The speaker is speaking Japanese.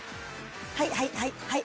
はいはいはいはい。